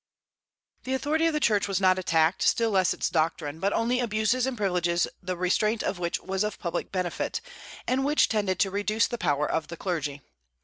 The authority of the Church was not attacked, still less its doctrines, but only abuses and privileges the restraint of which was of public benefit, and which tended to reduce the power of the clergy.